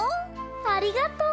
ありがとう。